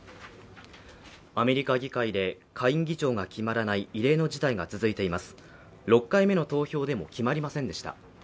アメリカ議会で下院議長が決まらない異例の事態が続いています。